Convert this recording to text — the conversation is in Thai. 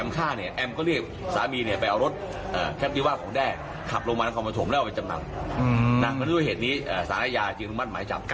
คือหมายว่าไปรับเวลาก่อเหตุแล้วสามีก็จะไปรับ